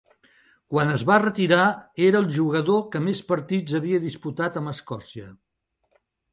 Quan es va retirar, era el jugador que més partits havia disputat amb Escòcia.